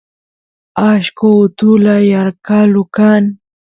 ashqo utula yarqalu kan